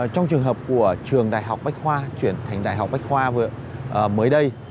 trong trường hợp của trường đại học bách khoa chuyển thành đại học bách khoa mới đây